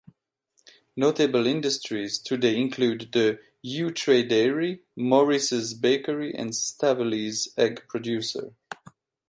Notable industries today include The Yew Tree Dairy, Morris's Bakery and Staveley's egg producer.